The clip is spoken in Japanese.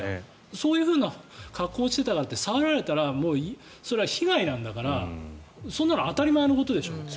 そういう格好をしているからって触られたらそれは被害なんだからそんなの当たり前のことでしょ。